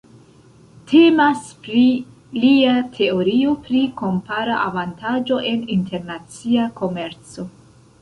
Temas pri lia teorio pri kompara avantaĝo en internacia komerco.